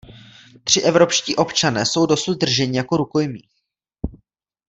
Tři evropští občané jsou dosud drženi jako rukojmí.